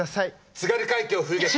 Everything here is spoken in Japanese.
「津軽海峡・冬景色」。